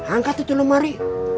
angkat itu lemari